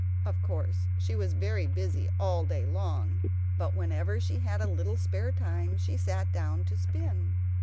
Of course she was very busy all day long, but whenever she had a little spare time she sat down to spin.